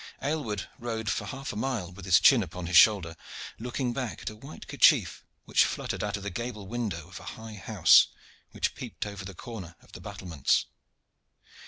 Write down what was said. Aylward rode for half a mile with his chin upon his shoulder, looking back at a white kerchief which fluttered out of the gable window of a high house which peeped over the corner of the battlements.